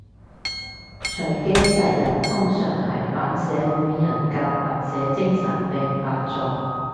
隨機殺人通常係反社會人格或者精神病發作